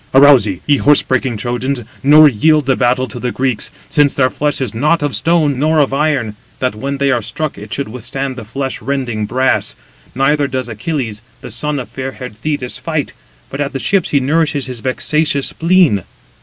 "Arouse ye, ye horse breaking Trojans, nor yield the battle to the Greeks; since their flesh is not of stone, nor of iron, that when they are struck, it should withstand the flesh rending brass; neither does Achilles, the son of fair haired Thetis, fight, but at the ships he nourishes his vexatious spleen."